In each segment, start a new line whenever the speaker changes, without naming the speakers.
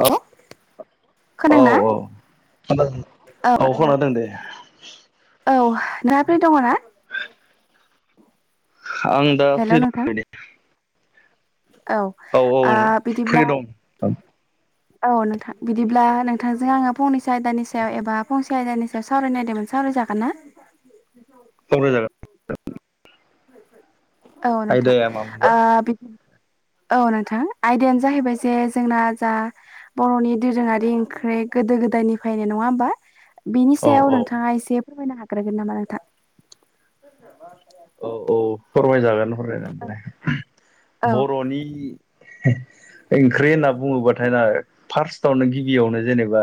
औ औ
खोनादोंना
औ दों औ खोनादों दे ।
औ नाबे दङ ना ।
आं दा फ्रि
नोंथां
दंबाय दे
औ आ
औ
बिदिब्ला
फ्रि दं
औ नोंथां बिदिब्ला नोंथांजों आङो फंनैसो आयदानि सायाव एबा फंसे आयदानि सायाव सावरायनायदोंमोन सावराय जागोनना?
सावराजागोन।
औ नोंथां
आयदाया मामोनबा
ओ बिदि औ नोंथां आयदायानो जाहैबाय जे जोंना जा बर'नि दोरोङारि ओंख्रि गोदो गोदायनिफ्रायनो नङा होमबा। बेनि
औ
सायाव नोंथाङा एसे फोरमायनो हाग्रोगोन नामा नोंथां ।
औ फोरमायजागोन फोरमायनानै दे
औ
बर'नि ओंख्रि होनना बुङोबाथाय ना फार्स्टआवनो गिबियावनो जेनेबा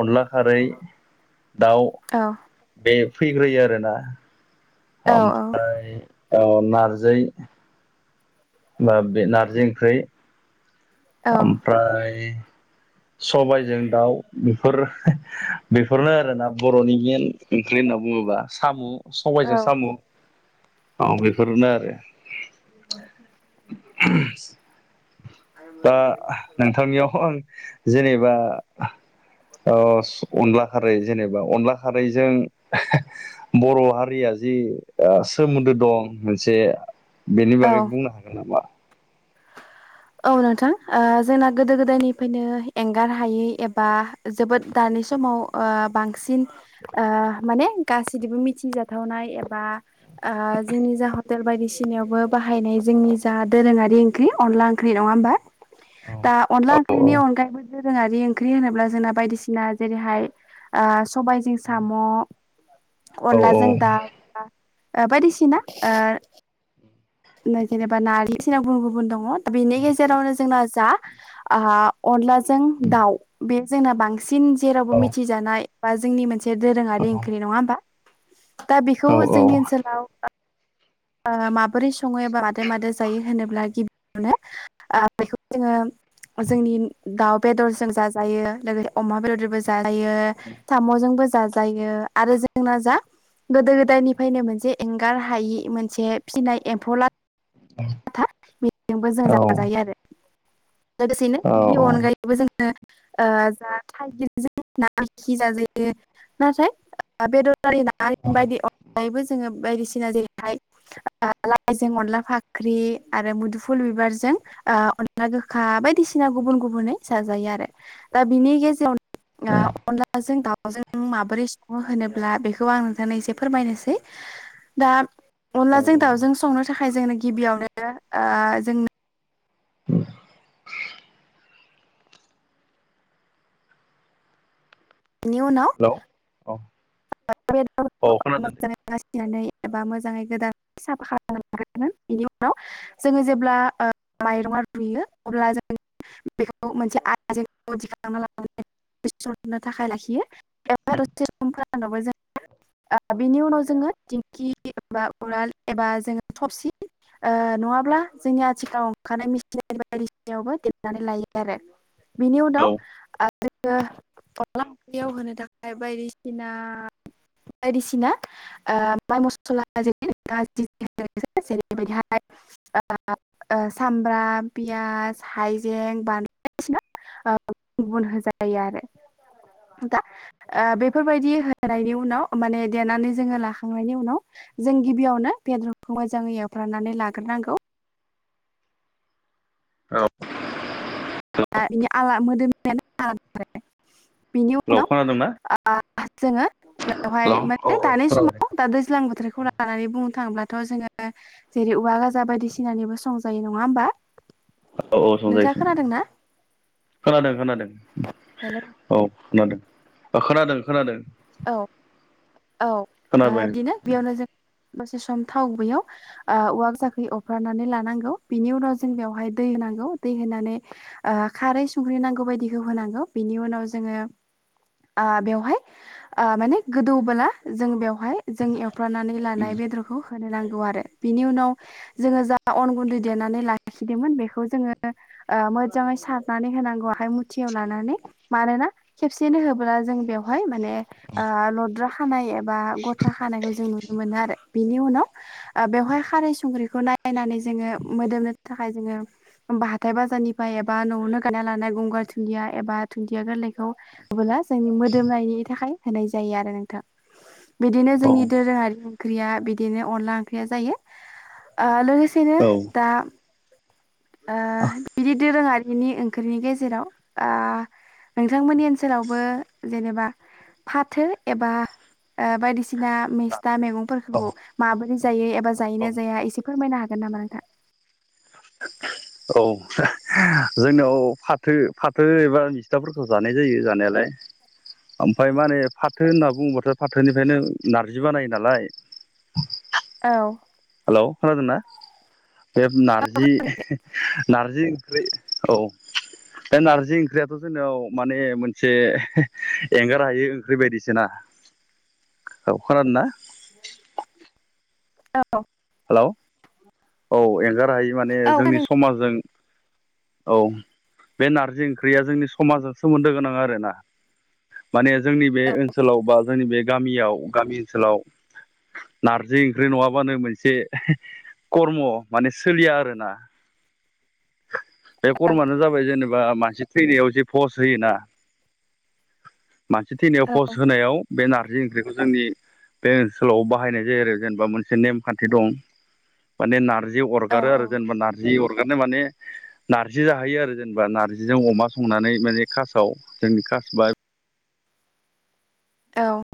अनला खारै दाउ
औ
बे फैग्रोयो आरोना
औ
ओमफ्राय औ नारजि बा बे नारजि ओंख्रि
औ
ओमफ्राय सबायजों दाउ बेफोर बेफोरनो आरोना बर'नि मेन ओंख्रि ना बुङोबा साम' सबायजों
औ
साम'। अ बेफोरनो आरो दा नोंथांनियाव आं जेनेबा ओ अनला खारै जेनेबा अनला खारैजों बर' हारिया जि ओ सोमोन्दो दं मोनसे बेनि बागै
औ
बुंनो हागोन नामा? [unintelligible]
औ नोंथां ओ जोंना गोदो गोदायनिफ्रायनो एंगार हायै एबा जोबोद दानि समाव ओ बांसिन ओ माने गासिनिबो मिथिजाथावनाय एबा ओ जोंनि जा हटेल बायदिसिनायावबो बाहायनाय जोंनि जा दोरोङारि ओं ख्रि अनला ओंख्रि नङा होमबा
औ
दा अनला
औ
ओंख्रिनि अनायैबो जोंहानि ओंख्रि होनोब्ला जोंना बायदिसिना जेरैहाय ओ सबायाइजों साम'
औ
अनलाजों दाउ बा ओ बायदिसिना ओ जोंना जेनेबा ना गुबुन दङ बेनि गेजेरावनो जोंना जा ओ अनला जों दाउ बे जोंना बांसिन
औ
जेरावबो मिथिजानाय बा जोंनि मोन से दोरोङारि ओंख्रि नङा होमबा। दा
औ
बेखौ
औ
जोंनि ओनसोलाव ओ माबोरै सङो एबा मादो मादो जायो होनोब्ला गि बियाव बेखौ जोङो जोंनि दाउ बेदरजों जाजायो लोगो अमा जों जायो थाम'जोंबो जाजायो आरो जोंना जा गोदो गोदायनिफ्रायनो मोनसे एंगार हायि मोन से फिसिनाय एम्फौ ला था बेजोबो जों जाजायो आरो लोगोसेनो
औ
बिनि अनगायैबो जों ओ जा थाइगिरजों ना ओंखि जाजायो ना थाय बेदर [unintelligible] जोङो बायदिसिना जेरैहाय लाइजों अनला फा ख्रि आरो मुदुफुल बिबारजों ओ अनला गोखा बायदिसिना गुबुन गुबुनै जाजा यो आरो दा बिनि गेजेरावनो अलाजों दाव जों माबोरै सङो होनोब्ला बेखौ आं नोंथांनो एसे फोरमायनोसै दा अनलाजों दाउजों संनो थाखाय जोंनो गिबियावनो ओ जों
[inaudible]
बेनि उनाव
हेलौ अ
[unintelligible] बासिनानै एबा मोजाङै गोदान साफा [inaudible] बिनि उनाव जोङो जेब्ला ओ माइरंआ रुयो अब्ला जों बेखौ मोनसे [inaudible] थाखाय लाखियो ओ बेनि उनाव जोङो दिंखि एबा उराल एबा जोङो थबसि ओ नङाब्ला जोंनि आथिखालाव ओंखारानाय मिसिनारि बायदिसिनायावबो देग्रोरनानै लायो आरो बिनि
औ
उनाव जोङो [inaudible] इना बायदिसिना ओ माइ मस्ला ओ सामब्राम पियास हाइजें ओ गुबुन होजायो आरो दा ओ बे फोरबायदि होनायनि उनाव माने देनानै जोङो लाखांनायनि उनाव जों गिबियावनो [unintelligible] मोजाङै एवफ्रामनानै लाग्रोनांगौ
औ
दा [inaudible] बिनि
हेलौ खोनादोंना
उनाव ओ जोङो बेवहाय
हेलौ औ
माने
खोनाबाय
दानि
दे
समाव दा दैज्लां
औ
बोथोरखौ लानानै बुनो थांब्लाथ' जोङो जेरै औवा गाजा बायदिसिनानिबो संजायो नङा होमबा
औ औ
नोंथाङा
संजायो
खोनादोंना
खोनादों खोनादों
हेल'
औ खोनादों ओ खोनादों खोनादों
औ औ ओ
खोनाबाय
बिनो बेयावनो जों दसे सम थाव गुबैयाव ओ औवा जाखै अफ्रानानै लानांगौ बिनि उनाव जों बेयावहाय दै होनां गौ दै होनानै ओ खारै संख्रि नांगौ बायदिखौ होनांगौ बिनि उनाव जोङो ओ बेवहाय ओ माने गोदौबोला जों बेवहाय जों एवफ्रानानै लानाय बेदरखौ होनो नां आरो बिनि उनाव जोङो जा अन गुन्दै देरनानै लाखिदोंमोन बेखौ जोङो मोजाङै सारनानै होनांगौ आहाय मुथियाव लानानै मानोना खेबसेनो होब्ला जों बेवहाय माने लद्रा खानाय एबा गथा खानायखौ जोंनि मोनो आरो बिनि उनाव बेवहाय खारै संख्रिखौ नायनानै जोङो मोदोमनो थाखाय जोङो बा हाथाय बाजारनिफ्राय एबा न'आवनो गानना लानाय गंगार दुुनन्दिया एबा दुुनन्दिया गोरलैखौ अला जोंनि मोदोमनायनि थाखाय होनाय जायो आरो नोंथां बिदिनो
औ
जोंनि दोरोङारि ओंख्रिया बि दिनो अनला ओंख्रिया जायो लोगोसेनो दा बिदि दोरोङारिनि ओंख्रिनि गेजेराव नोंथांमोननि ओनसोलावबो जेनेबा फाथो एबा बायदिसिना बायदिसिना मेस्था
औ
मैगंफोरखौ माबोरै जायो एबा जायोना
औ
जाया एसे फोरमायनो हाग ग मानोथा
[inaudible] औ जोंनाव फाथो फाथो एबा मिस्थाफोरखौ जानाय जायो जानायालाय [inaudible] ओमफ्राय माने फाथो होनना बुङोबाथ' फाथोनिफ्रायनो नारजि बानायो नालाय औ
औ
हेल' खोनादोंना बे नारजि नारजि ओंख्रि औ बे नारजि ओंख्रियाथ' जोंनियाव माने मोनसे एंगार हायो ओंख्रि बायदिस ना हेलौ खोनादोंना
औ
हेल' औ एंगार हायि माने
औ
जोंनि समाजजों औ बे नारजि ओंख्रिया जोंनि समाजजों सोमोन्दो गोनां आरोना माने जोंनि बे
खोनादों औ
ओनसोलाव बा जोंनि बे गामियाव गामि ओनसोलाव नारजि ओंख्रि नङाबानो मोनसे जे कर्म माने सोलिया आरोना बे खरमानो जाबाय जेनेबा बा मानसि थैनायाव जे पस होयोना- मानसि थैनायाव पस्ट होनायाव बे नारजि ओंख्रिखौ जोंनि बे ओनसोलाव बाहायनाय जायो आरो जेनेबा मोनसे से नेमखान्थि दं माने नारजि
औ
अरगारो आरो जेनेबा नारजि अरगारनो माने [inaudible] नार्जि जाहैयो आरो जेनेबा नार्जिजों अमा संनानै माने खासाव जोंनि खासबा
औ